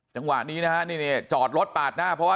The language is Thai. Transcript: จังหวะนี้นะฮะนี่จอดรถปากหน้าพ่อ